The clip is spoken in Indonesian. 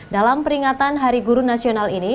dalam peringatan hari guru nasional ini